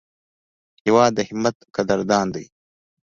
هېواد د همت قدردان دی.